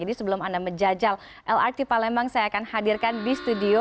ini sebelum anda menjajal lrt palembang saya akan hadirkan di studio